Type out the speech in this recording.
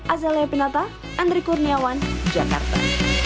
azalea pinata andri kurniawan jakarta